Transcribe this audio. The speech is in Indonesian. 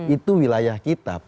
itu wilayah kita